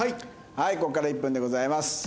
はいここから１分でございます。